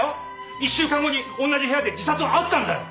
１週間後に同じ部屋で自殺はあったんだよ！